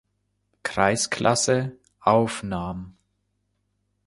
Kreisklasse aufnahm.